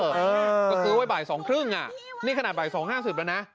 เขาซื้อไว้ใบสองครึ่งนี่ขนาดใบสองห้าสิบแล้วนะ